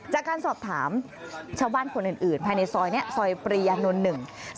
จากการสอบถามชาวบ้านคนอื่นภายในซอยนี้ซอยปรียานนท์หนึ่ง